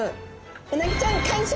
うなぎちゃん感謝！